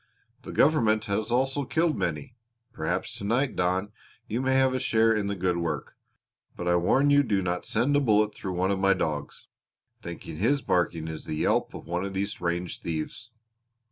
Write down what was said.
The government has also killed many. Perhaps to night, Don, you may have a share in the good work. But I warn you do not send a bullet through one of my dogs, thinking his barking is the yelp of one of these range thieves."